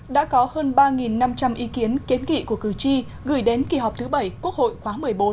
đã có hơn ba năm trăm linh ý kiến kiến nghị của cử tri gửi đến kỳ họp thứ bảy quốc hội khóa một mươi bốn